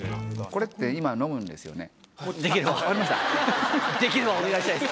これって挿すんですよね？